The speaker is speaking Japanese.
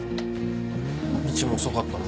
みちも遅かったの？